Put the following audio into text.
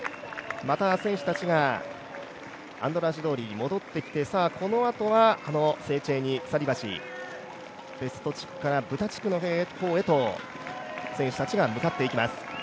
また選手たちがアンドラーシ通りに戻ってきて、このあとはこのセーチェーニ鎖橋、ペスト地区からブダ地区の方へと選手たちが向かっていきます。